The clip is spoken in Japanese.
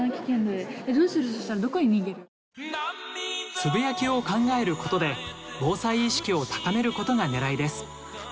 つぶやきを考えることで防災意識を高めることがねらいです。